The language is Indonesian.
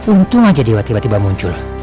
untung aja dewa tiba tiba muncul